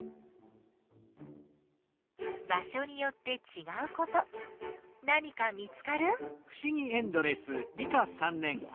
場所によってちがうこと何か見つかる？